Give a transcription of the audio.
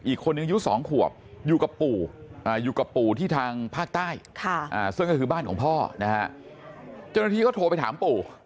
อีกคนหนึ่งอายุ๒ขวบอยู่กับปู่ที่ทางภาคใต้ซึ่งก็คือบ้านของพ่อ